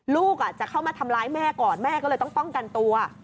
ลูกจะเข้ามาทำร้ายแม่ก่อนแม่ก็เลยต้องป้องกันตัว